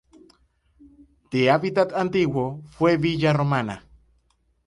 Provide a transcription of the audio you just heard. De hábitat antiguo, fue villa romana.